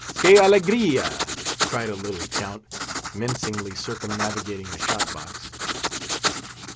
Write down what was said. "Que alegria!" cried a little Count, mincingly circumnavigating a shot box.